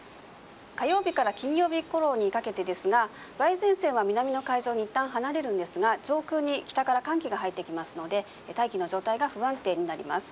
火曜日から金曜日ごろにかけてですが梅雨前線は南の海上にいったん離れるんですが上空に北から寒気が入ってきますので大気の状態が不安定になります。